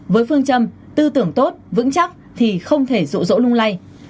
với phương châm tư tưởng tốt vững chắc thì không thể rụ rỗ lung lay